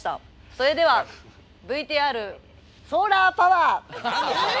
それではＶＴＲソーラーパワー！え！？